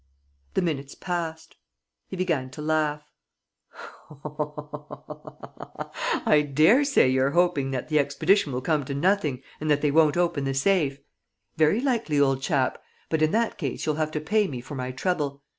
The minutes passed. He began to laugh: "I dare say you're hoping that the expedition will come to nothing and that they won't open the safe? ... Very likely, old chap! But, in that case, you'll have to pay me for my trouble.